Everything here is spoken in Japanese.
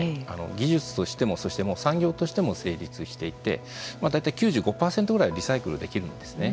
技術としてもそしてもう産業としても成立していてまあ大体９５％ぐらいはリサイクルできるんですね。